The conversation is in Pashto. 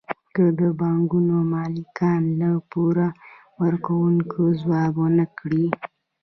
که د بانکونو مالکان د پور ورکوونکو ځواب ورنکړي